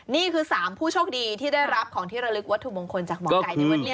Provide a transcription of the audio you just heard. นี่คือ๓ผู้โชคดีที่ได้รับของที่ระลึกวัตถุมงคลจากหมอไก่ในวันนี้